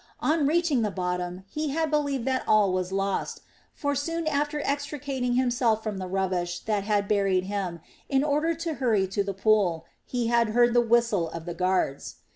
On reaching the bottom he had believed that all was lost; for soon after extricating himself from the rubbish that had buried him, in order to hurry to the pool, he had heard the whistle of the guards.